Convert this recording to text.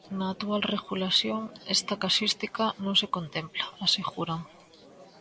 "Na actual regulación esta casuística non se contempla", aseguran.